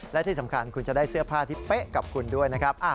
และที่สำคัญคุณจะได้เสื้อผ้าที่เป๊ะกับคุณด้วยนะครับ